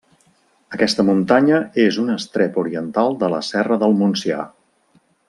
Aquesta muntanya és un estrep oriental de la Serra del Montsià.